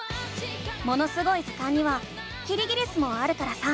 「ものすごい図鑑」にはキリギリスもあるからさ